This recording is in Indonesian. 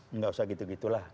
enggak usah gitu gitulah